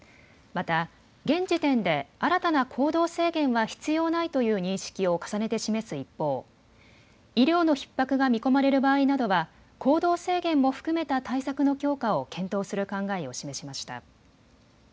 また現時点で新たな行動制限は必要ないという認識を重ねて示す一方、医療のひっ迫が見込まれる場合などは行動制限も含めた対策の強化を検討する考えを示しました。